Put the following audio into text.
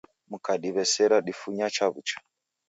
Mkadiw'esera difunya chaw'ucha